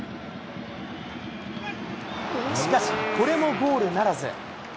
しかし、これもゴールならず。